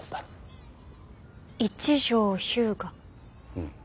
うん。